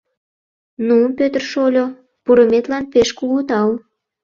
— Ну, Пӧтыр шольо, пурыметлан пеш кугу тау.